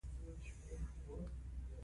راځئ چې دا ژبه نوره هم پیاوړې کړو.